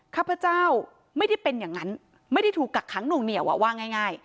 ข้าพเจ้าไม่ได้เป็นอย่างนั้นไม่ได้ถูกกักขังหน่วงเหนียวว่าง่าย